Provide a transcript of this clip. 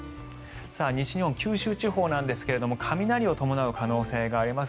西日本、九州地方ですが雷を伴う可能性があります。